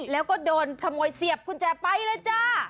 แล้วก็โดนขโมยเสียบกุญแจไปเลยจ้า